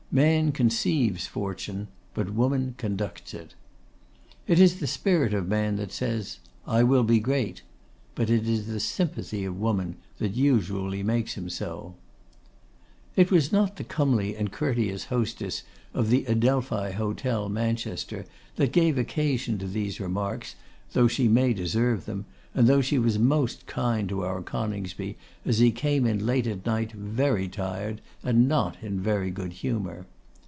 Man conceives Fortune, but Woman conducts it. It is the Spirit of Man that says, 'I will be great;' but it is the Sympathy of Woman that usually makes him so. It was not the comely and courteous hostess of the Adelphi Hotel, Manchester, that gave occasion to these remarks, though she may deserve them, and though she was most kind to our Coningsby as he came in late at night very tired, and not in very good humour.